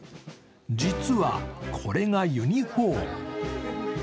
実は、これがユニフォーム。